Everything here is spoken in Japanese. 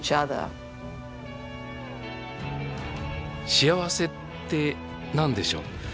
幸せって何でしょう？